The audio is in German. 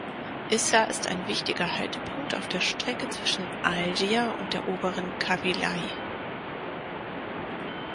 Isser ist ein wichtiger Haltepunkt auf der Strecke zwischen Algier und der Oberen Kabylei.